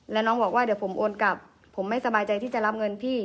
แล้วน้องบอกว่าเดี๋ยวผมโอนกลับผมไม่สบายใจที่จะรับเงินพี่